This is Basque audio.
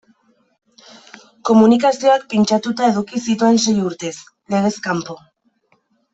Komunikazioak pintxatuta eduki zituen sei urtez, legez kanpo.